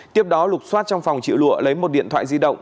tiếp đó lục xoát trong phòng triệu lụa lấy một điện thoại di động